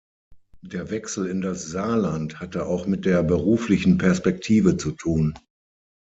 Der Wechsel in das Saarland hatte auch mit der beruflichen Perspektive zu tun.